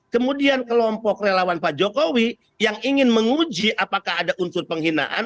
kemudian kelompok relawan pak jokowi yang ingin menguji apakah ada unsur penghinaan